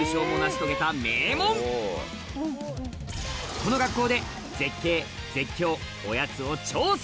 この学校で絶景絶叫おやつを調査